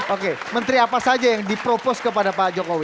oke menteri apa saja yang dipropos kepada pak jokowi